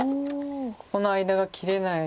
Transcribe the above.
ここの間が切れない。